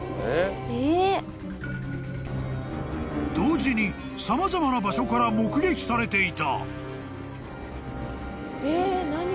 ［同時に様々な場所から目撃されていた］